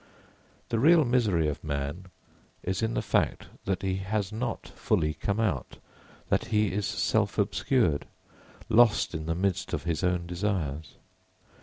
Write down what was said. The real misery of man is in the fact that he has not fully come out, that he is self obscured, lost in the midst of his own desires.